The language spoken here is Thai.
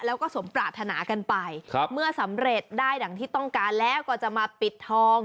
แล้วก็สมปรารถนากันไปครับเมื่อสำเร็จได้ดังที่ต้องการแล้วก็จะมาปิดทอง